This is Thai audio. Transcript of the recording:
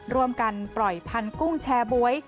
ร่วมกันปล่อยพันธุ์กุ้งแชร์บ๊วย